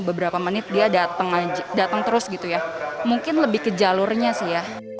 beberapa menit dia datang aja datang terus gitu ya mungkin lebih ke jalurnya sih ya